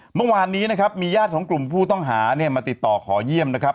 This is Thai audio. เมื่อวานมียาชิตถึงกลุ่มผู้ต้องหามาติดต่อขอเยี่ยมนะครับ